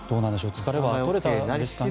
疲れは取れたんですかね。